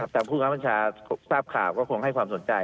แต่ผู้บังคับบัญชาทราบข่าวก็คงให้ความสนใจ